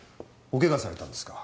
お怪我されたんですか？